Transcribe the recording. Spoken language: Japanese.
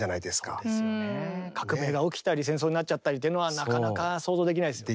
革命が起きたり戦争になっちゃったりというのはなかなか想像できないですよね。